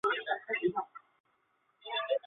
圣伊莱尔人口变化图示